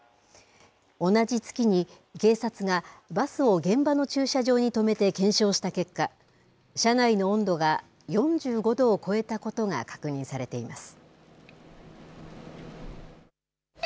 同じ月に警察がバスを現場の駐車場に止めて検証した結果、車内の温度が４５度を超えたことが確認されています。